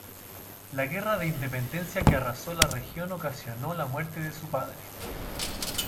La Guerra de Independencia que arrasó la región ocasionó la muerte de su padre.